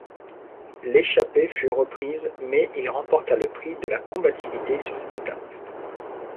L'échappée fut reprise mais il remporta le prix de la combativité sur cette étape.